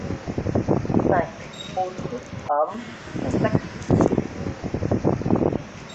Cinq autres hommes sont acquittés.